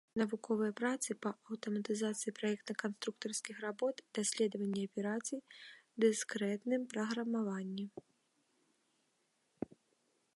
Навуковыя працы па аўтаматызацыі праектна-канструктарскіх работ, даследаванні аперацый, дыскрэтным праграмаванні.